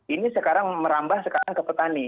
ini sekarang merambah sekarang ke petani